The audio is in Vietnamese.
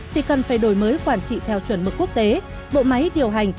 thì cần phải đổi mới quản trị theo chuẩn mực quốc tế bộ máy điều hành